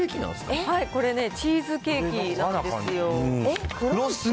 これね、チーズケーキなんでえ？